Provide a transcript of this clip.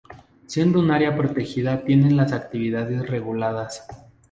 Siendo un área protegida tiene las actividades reguladas.